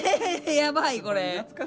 やばいこれ。